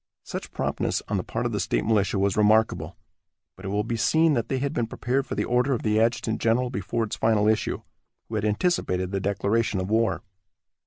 Such promptness on the part of the state militia was remarkable, but it will be seen that they had been prepared for the order of the adjutant general before its final issue, who had anticipated the declaration of war.